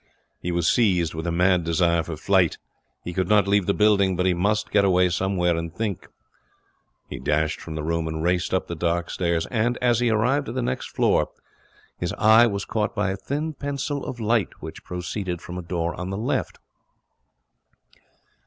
He was seized with a mad desire for flight. He could not leave the building, but he must get away somewhere and think. He dashed from the room and raced up the dark stairs. And as he arrived at the next floor his eye was caught by a thin pencil of light which proceeded from a door on the left.